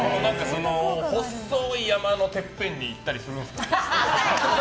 細い山のてっぺんに行ったりするんですか？